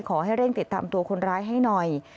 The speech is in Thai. ขอให้เร่งติดตามตัวคนร้ายให้หน่อย